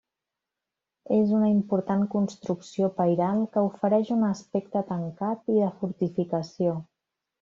És una important construcció pairal que ofereix un aspecte tancat i de fortificació.